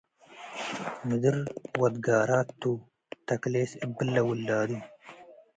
ምድር ወድ ጋራት ቱ ተክሌስ እብለ ውላዱ